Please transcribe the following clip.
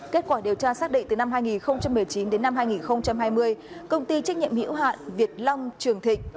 kết quả điều tra xác định từ năm hai nghìn một mươi chín đến năm hai nghìn hai mươi công ty trách nhiệm hiểu hạn việt long trường thịnh